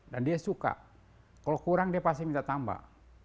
dan dia suka kalau kurang dia pasti minta tambah